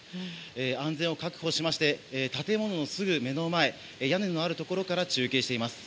安全を確保しまして建物のすぐ目の前屋根のあるところから中継しています。